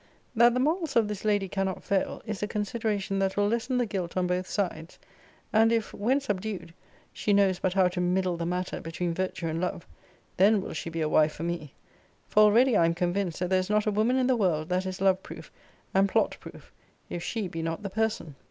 That the morals of this lady cannot fail, is a consideration that will lessen the guilt on both sides. And if, when subdued, she knows but how to middle the matter between virtue and love, then will she be a wife for me: for already I am convinced that there is not a woman in the world that is love proof and plot proof, if she be not the person.